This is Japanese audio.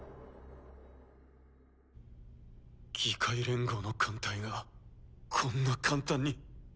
議会連合の艦隊がこんな簡単に。